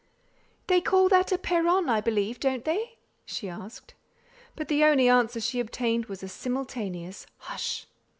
"They call that a perron, I believe, don't they?" she asked. But the only answer she obtained was a simultaneous "hush."